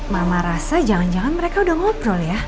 mama rasa jangan jangan mereka udah ngobrol ya